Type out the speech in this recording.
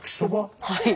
はい。